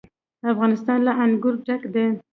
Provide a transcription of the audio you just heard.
افغانستان له انګور ډک دی.